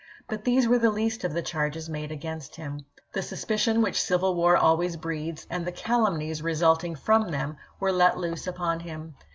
But these were the least of the charges made against him. The suspicions which civil war always breeds, and the calumnies result ing from them, were let loose upon him.